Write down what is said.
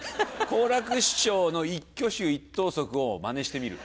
好楽師匠の一挙手一投足をマネしてみる。